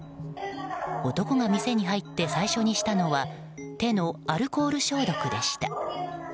男が店に入って初めにしたのは手のアルコール消毒でした。